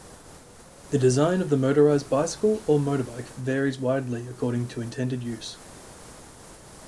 The design of the motorized bicycle or motorbike varies widely according to intended use.